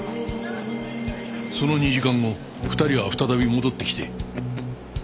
その２時間後２人は再び戻ってきて。